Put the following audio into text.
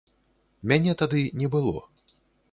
Мяне тады не было.